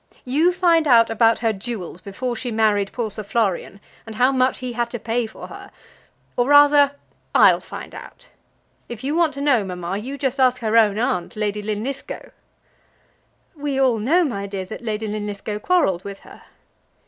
You find out about her jewels before she married poor Sir Florian, and how much he had to pay for her; or rather, I'll find out. If you want to know, mamma, you just ask her own aunt, Lady Linlithgow." "We all know, my dear, that Lady Linlithgow quarrelled with her."